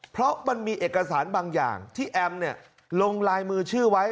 เพราะมันมีเอกสารบางอย่างที่แอมลงลายมือชื่อไว้